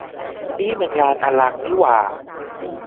นี่มันงานอลังนี่หว่า !